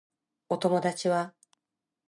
お友達は